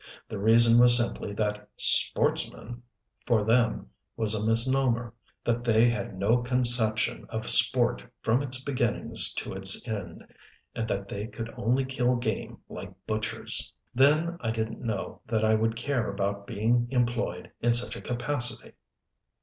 The reason was simply that "sportsmen," for them, was a misnomer: that they had no conception of sport from its beginnings to its end, and that they could only kill game like butchers. Then I didn't know that I would care about being employed in such a capacity.